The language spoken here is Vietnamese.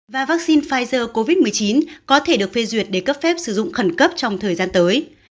và vaccine pfizer covid một mươi chín có thể được phê duyệt để cấp phép sử dụng khẩn cấp trong thời gian tới